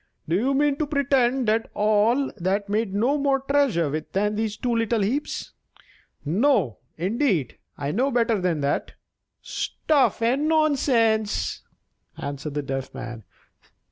Do you mean to pretend that all that made no more treasure than these two little heaps! No, indeed; I know better than that." "Stuff and nonsense!" answered the Deaf Man.